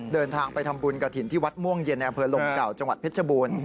เดินทางไปทำบุญกระถิ่นที่วัดม่วงเย็นในอำเภอลมเก่าจังหวัดเพชรบูรณ์